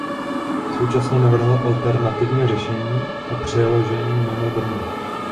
Současně navrhl alternativní řešení o přeložení mimo Brno.